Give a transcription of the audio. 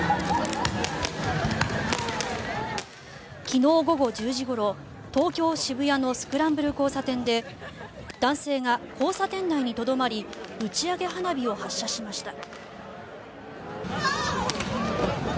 昨日午後１０時ごろ東京・渋谷のスクランブル交差点で男性が交差点内にとどまり打ち上げ花火を発射しました。